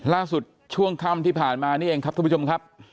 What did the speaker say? ช่วงค่ำที่ผ่านมานี่เองครับท่านผู้ชมครับ